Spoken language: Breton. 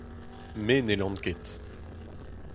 Me n'hellan ket.